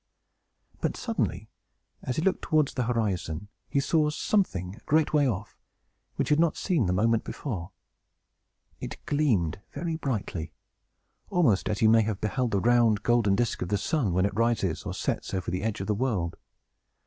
But, suddenly, as he looked towards the horizon, he saw something, a great way off, which he had not seen the moment before. It gleamed very brightly, almost as you may have beheld the round, golden disk of the sun, when it rises or sets over the edge of the world.